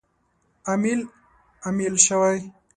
امیل، امیل شوی